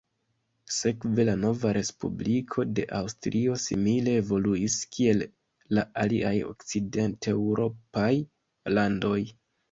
Sekve la nova respubliko de Aŭstrio simile evoluis kiel la aliaj okcidenteŭropaj landoj.